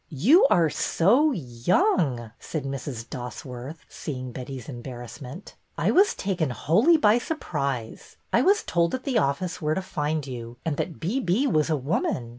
You are so — young," said Mrs. Dosworth, seeing Betty's embarrassment. I was taken wholly by surprise. I was told at the office where to find you, and that ' B. B.' was a woman.